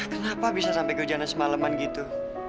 kenapa bisa sampai kehujanan semaleman gitu